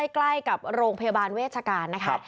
ใกล้กับโรงพยาบาลเวชการนะคะ